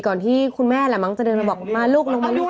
ที่คุณแม่แหละมั้งจะเดินมาบอกมาลูกลงมาลูก